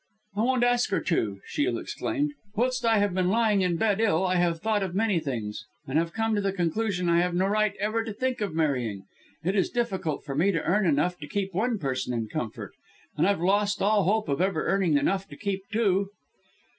"I won't ask her to!" Shiel exclaimed. "Whilst I have been lying in bed, ill, I have thought of many things and have come to the conclusion I have no right ever to think of marrying. It is difficult for me to earn enough to keep one person in comfort and I've lost all hope of ever earning enough to keep two."